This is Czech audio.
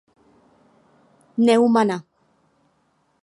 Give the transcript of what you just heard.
Neumanna.